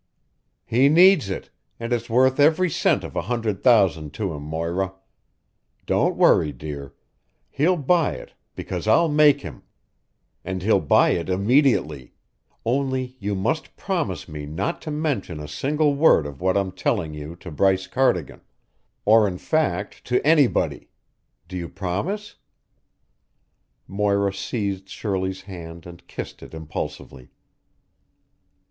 "He needs it, and it's worth every cent of a hundred thousand to him, Moira. Don't worry, dear. He'll buy it, because I'll make him, and he'll buy it immediately; only you must promise me not to mention a single word of what I'm telling you to Bryce Cardigan, or in fact, to anybody. Do you promise?" Moira seized Shirley's hand and kissed it impulsively.